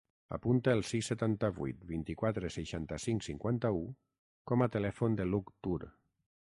Apunta el sis, setanta-vuit, vint-i-quatre, seixanta-cinc, cinquanta-u com a telèfon de l'Hug Tur.